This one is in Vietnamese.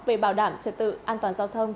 về bảo đảm trật tự an toàn giao thông